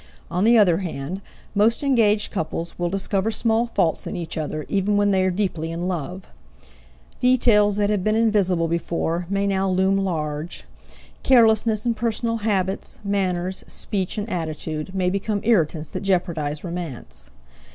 On the other hand, most engaged couples will discover small faults in each other, even when they are deeply in love. Details that had been invisible before may now loom large. Carelessness in personal habits, manners, speech, and attitude may become irritants that jeopardize romance.